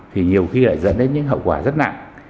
thì nhiều khi lại dẫn đến những hậu quả rất nặng